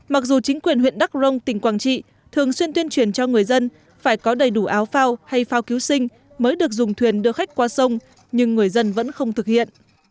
mặc dù chính quyền huyện đắk rông tỉnh quảng trị thường xuyên tuyên truyền cho người dân phải có đầy đủ áo phao hay phao cứu sinh mới được dùng thuyền đưa khách qua sông nhưng người dân vẫn không thực hiện